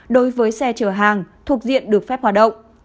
đối với xe chở hàng thuộc diện được phép hoạt động